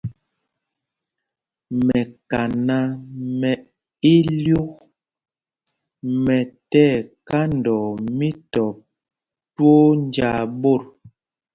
Mɛkaná mɛ ílyûk mɛ ti ɛkandɔɔ mítɔp twóó njāā ɓot.